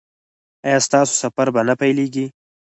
ایا ستاسو سفر به نه پیلیږي؟